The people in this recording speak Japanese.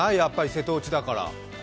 瀬戸内だから。